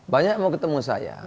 banyak mau ketemu saya